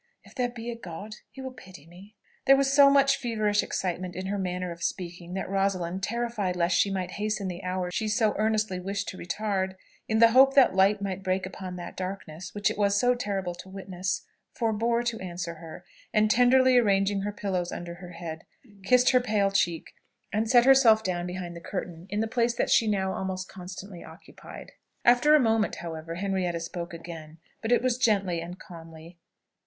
If there be a God, he will pity me!" There was so much feverish excitement in her manner of speaking, that Rosalind, terrified lest she might hasten the hour she so earnestly wished to retard, in the hope that light might break upon that darkness which it was so terrible to witness, forbore to answer her, and tenderly arranging her pillows under her head, kissed her pale cheek and set herself down behind the curtain, in the place that she now almost constantly occupied. After a moment, however, Henrietta spoke again, but it was gently and calmly.